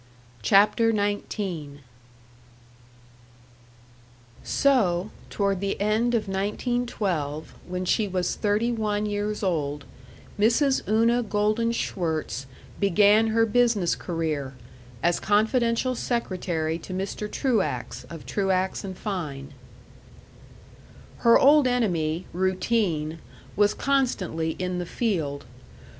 CHAPTER XIX So, toward the end of 1912, when she was thirty one years old, Mrs. Una Golden Schwirtz began her business career, as confidential secretary to Mr. Truax, of Truax & Fein. Her old enemy, routine, was constantly in the field.